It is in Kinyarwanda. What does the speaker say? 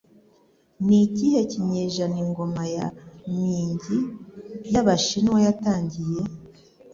Ni ikihe kinyejana ingoma ya Ming y'Abashinwa yatangiye?